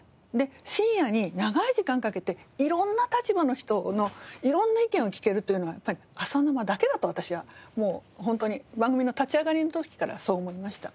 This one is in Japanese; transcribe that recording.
深夜に長い時間かけていろんな立場の人のいろんな意見を聞けるというのは『朝生』だけだと私はホントに番組の立ち上がりの時からそう思いました。